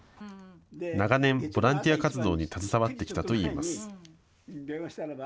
長年、ボランティア活動に携わってきたといいます。